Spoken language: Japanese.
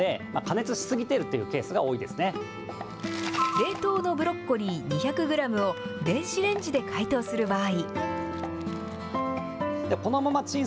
冷凍のブロッコリー２００グラムを電子レンジで解凍する場合。